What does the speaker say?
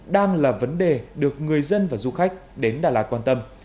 đang là vấn đề được người dân và du khách đến đà lạt quan tâm